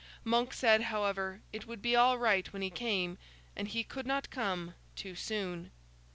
Monk said, however, it would be all right when he came, and he could not come too soon.